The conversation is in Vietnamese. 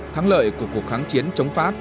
thắng lợi của cuộc kháng chiến chống pháp